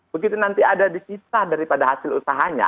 begitu nanti ada di kisah daripada hasil usahanya